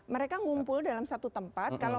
mereka ngumpul dalam satu hal yang lainnya